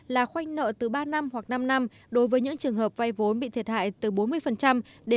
là khoanh nợ từ ba năm hoặc năm năm đối với những trường hợp vay vốn bị thiệt hại